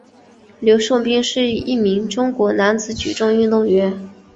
刘寿斌是一名中国男子举重运动员。